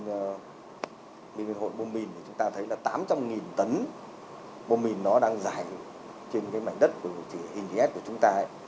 nguyên liên hội bom mìn thì chúng ta thấy là tám trăm linh tấn bom mìn nó đang rải trên cái mảnh đất của hình thị s của chúng ta ấy